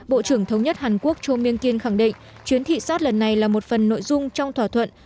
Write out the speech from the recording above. bộ trưởng thống nhất hàn quốc cho mưu kiên khẳng định chuyến thị sát lần này là một phần nội dung trong thỏa thuận